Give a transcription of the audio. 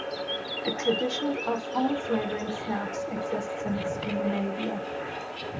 A tradition of "home flavouring" snaps exists in Scandinavia.